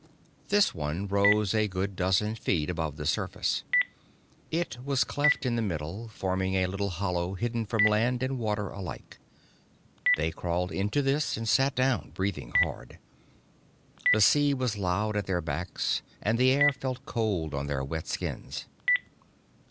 This one rose a good dozen feet above the surface. It was cleft in the middle, forming a little hollow hidden from land and water alike. They crawled into this and sat down, breathing hard. The sea was loud at their backs and the air felt cold on their wet skins.